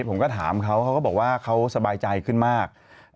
ผมก็ถามเขาเขาก็บอกว่าเขาสบายใจขึ้นมาก